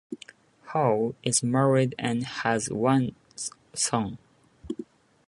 Hou is married and has one son.